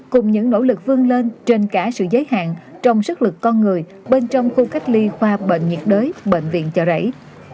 cùng những nỗ lực vươn lên trên cả sự giới hạn trong sức lực con người bên trong khu cách ly khoa bệnh nhiệt đới bệnh viện chợ rẫy